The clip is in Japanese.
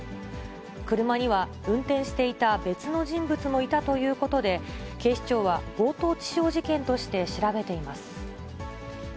車には運転していた別の人物もいたということで、警視庁は強盗致傷事件として調べています。